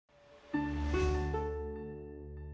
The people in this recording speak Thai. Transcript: วัดประจำรัชกาลที่๙เกิดจากความเดือดร้อนของประชาชน